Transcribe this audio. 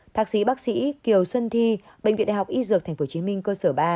thạc sĩ bác sĩ kiều xuân thi bệnh viện đại học y dược tp hcm cơ sở ba